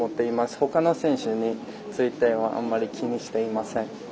ほかの選手についてはあまり気にしていません。